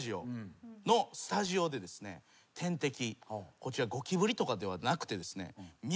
こちらゴキブリとかではなくてですね。